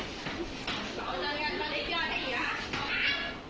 cảm ơn các bạn đã theo dõi và hẹn gặp lại